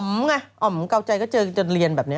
อ๋อมไงอ๋อมเก่าใจก็จะเจอเรียนแบบนี้